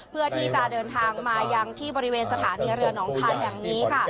เพื่อที่จะเดินทางมายังที่บริเวณสถานีเรือหนองคายแห่งนี้ค่ะ